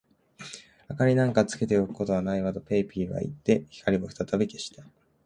「明りなんかつけておくことはないわ」と、ペーピーはいって、光をふたたび消した。